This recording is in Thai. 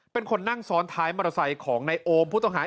เป็นคนนั่งซ้อนท้ายมอเตอร์ไซค์ของนายโอมผู้ต้องหา